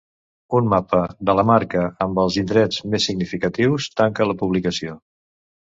Un mapa de la marca amb els indrets més significatius tanca la publicació.